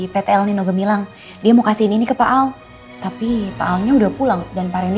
pt el nino gemilang dia mau kasihin ini ke pak al tapi pak alnya udah pulang dan pak reni